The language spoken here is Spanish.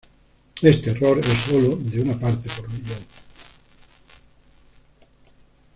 Este error es solo de una parte por millón.